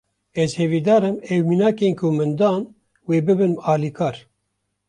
Ez hevîdarim ev minakên ku min dan, wê bibin alîkar